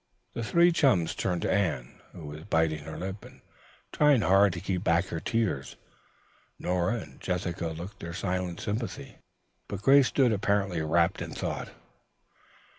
The three chums turned to Anne, who was biting her lip and trying hard to keep back her tears. Nora and Jessica looked their silent sympathy, but Grace stood apparently wrapped in thought.